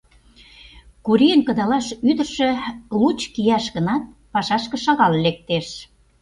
Курийын кыдалаш ӱдыржӧ, лучко ияш гынат, пашашке шагал лектеш.